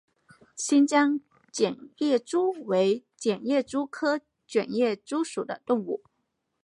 新疆卷叶蛛为卷叶蛛科卷叶蛛属的动物。